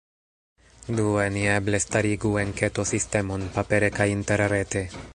Due, ni eble starigu enketo-sistemon, papere kaj interrete.